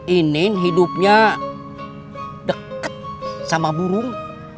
inim hidupnya deket sama burung